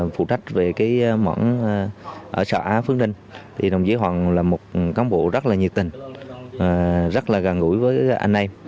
phụ trách về cái mỏng ở xã phước ninh thì đồng chí hoàng là một cán bộ rất là nhiệt tình rất là gần gũi với anh em